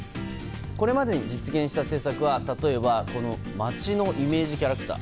これまでに実現した政策は例えば町のイメージキャラクター。